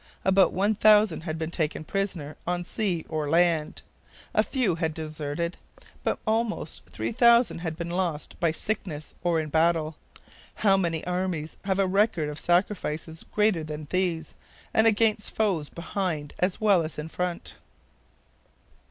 About 1,000 had been taken prisoner on sea or land. A few had deserted. But almost 3,000 had been lost by sickness or in battle. How many armies have a record of sacrifices greater than these, and against foes behind as well as in front?